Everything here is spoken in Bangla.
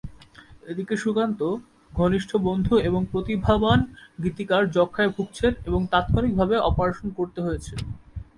এদিকে সুকান্ত, ঘনিষ্ঠ বন্ধু এবং প্রতিভাবান গীতিকার যক্ষ্মায় ভুগছেন এবং তাৎক্ষণিকভাবে অপারেশন করতে হয়েছে।